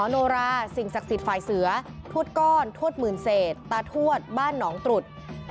โนราสิ่งศักดิ์สิทธิ์ฝ่ายเสือทวดก้อนทวดหมื่นเศษตาทวดบ้านหนองตรุษ